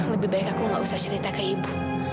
lebih baik aku gak usah cerita ke ibu